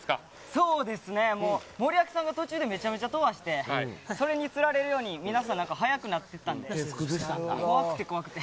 森脇さんが途中でめちゃくちゃ飛ばしてそれにつられるように皆さん速くなっていたので怖くて怖くて。